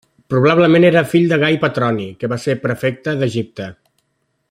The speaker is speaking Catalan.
Probablement era fill de Gai Petroni, que va ser Prefecte d’Egipte.